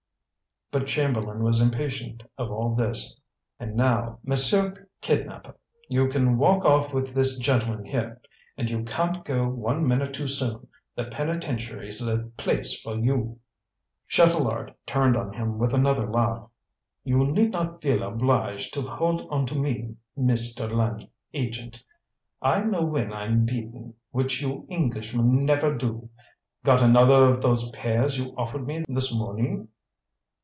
But Chamberlain was impatient of all this. "And now, Monsieur Kidnapper, you can walk off with this gentleman here. And you can't go one minute too soon. The penitentiary's the place for you." Chatelard turned on him with another laugh. "You need not feel obliged to hold on to me, Mister Land Agent. I know when I'm beaten which you Englishmen never do. Got another of those pears you offered me this morning?"